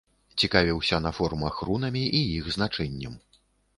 Цікавіўся на форумах рунамі і іх значэннем.